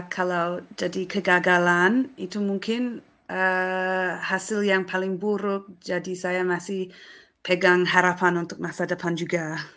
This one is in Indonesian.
kalau jadi kegagalan itu mungkin hasil yang paling buruk jadi saya masih pegang harapan untuk masa depan juga